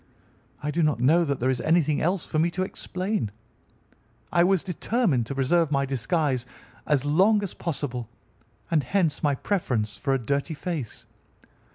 "I do not know that there is anything else for me to explain. I was determined to preserve my disguise as long as possible, and hence my preference for a dirty face.